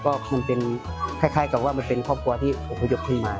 ผมก็มาไม่นานแล้วคล้ายกับว่ามันเป็นครอบครัวที่ผมก็ยกขึ้นมา